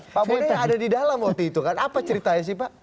pak boleh ada di dalam waktu itu kan apa ceritanya sih pak